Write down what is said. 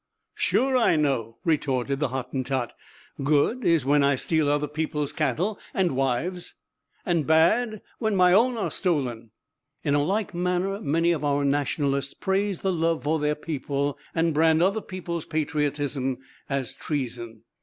"Sure I know," retorted the Hottentot. "Good is when I steal other people's cattle and wives, and bad when my own are stolen." In a like manner, many of our nationalists praise the love for their people and brand other people's patriotism as treason.